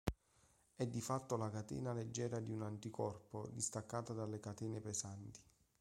È di fatto la catena leggera di un anticorpo, distaccata dalle catene pesanti.